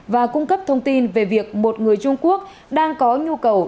và cung cấp thông tin về việc một người trung quốc đang có nhu cầu